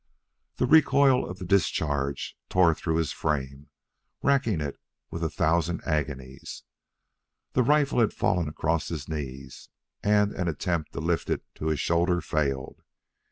The recoil of the discharge tore through his frame, racking it with a thousand agonies. The rifle had fallen across his knees, and an attempt to lift it to his shoulder failed.